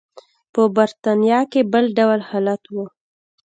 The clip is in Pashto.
په برېټانیا کې بل ډول حالت و.